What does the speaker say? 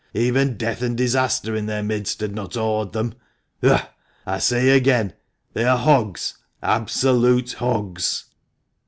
Even death and disaster in their midst had not awed them ! Ugh ! I say again they are hogs, absolute hogs